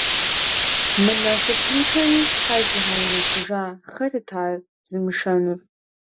Мы насыпыншэми щхьэ зигъэунэхъужа? Хэтыт ар зымышэнур?